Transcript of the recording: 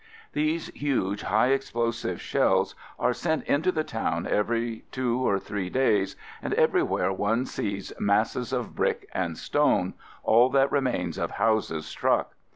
These huge high explosive shells are sent into the town every two or three days, and everywhere one sees masses of brick and stone, all that remains of houses struck.